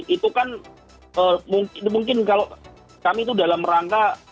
itu kan mungkin kalau kami itu dalam rangka